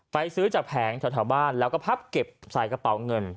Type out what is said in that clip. ซื้อจากแผงแถวบ้านแล้วก็พับเก็บใส่กระเป๋าเงิน